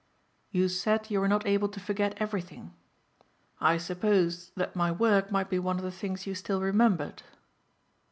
"You said you were not able to forget everything. I supposed that my work might be one of the things you still remembered."